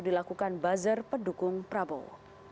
dilakukan bazar pendukung prabowo